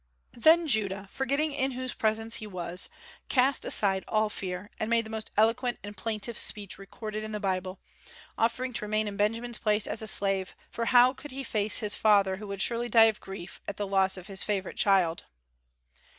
Then Judah, forgetting in whose presence he was, cast aside all fear, and made the most eloquent and plaintive speech recorded in the Bible, offering to remain in Benjamin's place as a slave, for how could he face his father, who would surely die of grief at the loss of his favorite child.